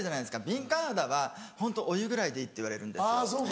敏感肌はホントお湯ぐらいでいいっていわれるんですよ。